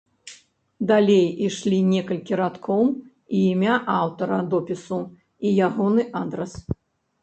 Далей ішлі некалькі радкоў і імя аўтара допісу і ягоны адрас.